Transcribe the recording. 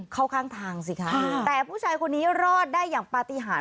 เข้าข้างทางสิคะแต่ผู้ชายคนนี้รอดได้อย่างปฏิหาร